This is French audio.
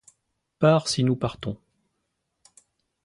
Pars si nous partons !